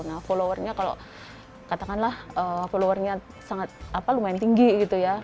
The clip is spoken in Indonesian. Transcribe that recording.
nah followernya kalau katakanlah followernya sangat lumayan tinggi gitu ya